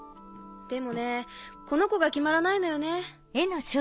でもねぇこの子が決まらないのよね。